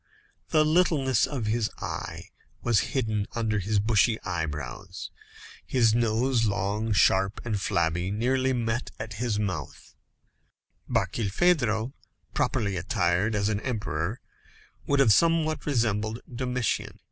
The littleness of his eye was hidden under his bushy eyebrows. His nose, long, sharp, and flabby, nearly met his mouth. Barkilphedro, properly attired, as an emperor, would have somewhat resembled Domitian.